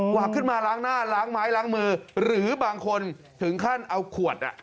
วากขึ้นมาล้างหน้าล้างไม้ล้างมือหรือบางคนถึงขั้นเอาขวดอ่ะ